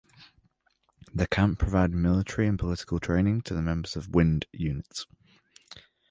The camp provided military and political training to the members of Wind Unit.